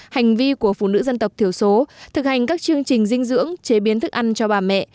hành vi của phụ nữ dân tộc thiểu số thực hành các chương trình dinh dưỡng chế biến thức ăn cho bà mẹ